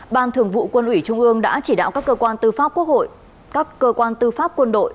ban thường vụ quân ủy trung ương đã chỉ đạo các cơ quan tư pháp quốc hội các cơ quan tư pháp quân đội